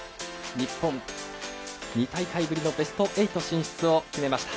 日本、２大会ぶりのベスト８進出を決めました。